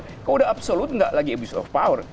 kalau udah absolut nggak lagi abuse of power